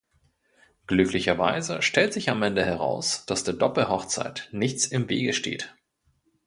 Glücklicherweise stellt sich am Ende heraus, dass der Doppelhochzeit nichts im Wege steht.